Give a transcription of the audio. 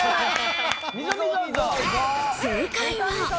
正解は。